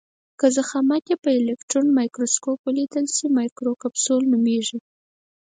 که ضخامت یې په الکټرون مایکروسکوپ ولیدل شي مایکروکپسول نومیږي.